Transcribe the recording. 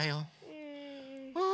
うん。